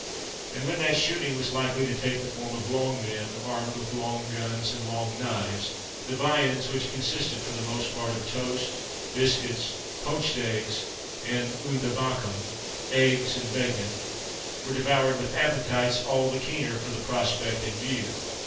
And when that shooting was likely to take the form of long men, armed with long guns, and long knives, the viands, which consisted for the most part of toast, biscuits, poached eggs, and unda bakum (eggs and bacon), were devoured with appetites all the keener for the prospect in view.